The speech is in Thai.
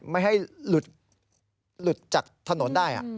ไม่ให้หลุดจากถนนได้